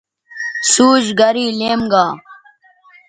سوچ گرے لیم گا